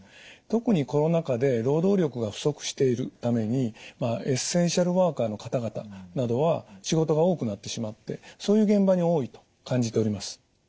特にコロナ禍で労働力が不足しているためにエッセンシャルワーカーの方々などは仕事が多くなってしまってそういう現場に多いと感じております。